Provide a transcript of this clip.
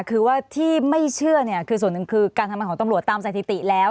คือว่าที่ไม่เชื่อเนี่ยคือส่วนหนึ่งคือการทำงานของตำรวจตามสถิติแล้ว